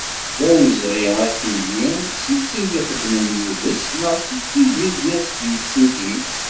D awezɣi ad tili si tid ixeddmen yid-s, neɣ si tid i d as-yettilin.